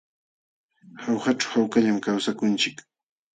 Jaujaćhu hawkallam kawsakunchik.